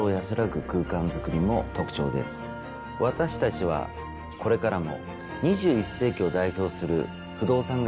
私たちはこれからも。